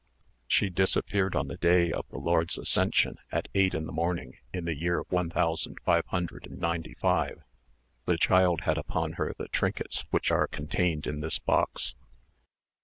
She disappeared on the day of the Lord's Ascension, at eight in the morning, in the year one thousand five hundred and ninety five. The child had upon her the trinkets which are contained in this box."